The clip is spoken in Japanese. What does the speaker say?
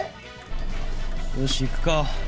よしいくか。